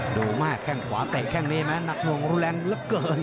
ดูมากแข้งขวาเตะแข้งนี้ไหมหนักห่วงรุนแรงเหลือเกิน